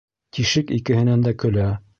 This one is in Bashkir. Тишек икеһенән дә көлә.